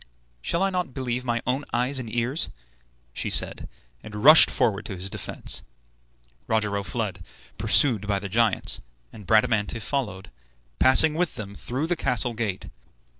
"Shall I not believe my own eyes and ears?" she said, and rushed forward to his defence. Rogero fled, pursued by the giants, and Bradamante followed, passing with them through the castle gate.